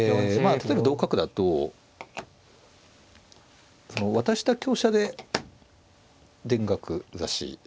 例えば同角だとその渡した香車で田楽刺し。